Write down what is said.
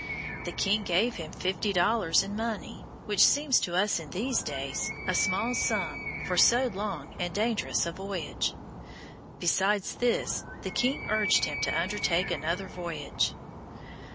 The king gave him fifty dollars in money, which seems to us in these days a small sum for so long and dangerous a voyage. Besides this, the king urged him to undertake another voyage.